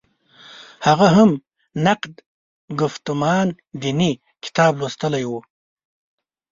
هغه هم «نقد ګفتمان دیني» کتاب لوستلی و.